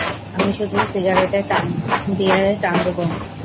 আমি শুধু সিগারেটে দিয়ে টান দেবো।